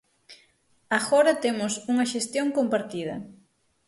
Agora temos unha xestión compartida.